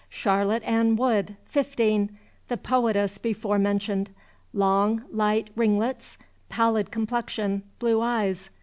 Charlotte Ann Wood. Fifteen. The poetess before mentioned. Long, light ringlets, pallid complexion, blue eyes.